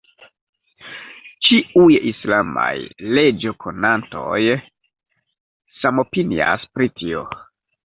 Ĉiuj islamaj leĝokonantoj samopinias pri tio.